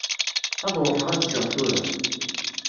Ad ruḥeɣ ad ččeɣ tura.